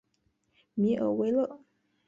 米尔维勒。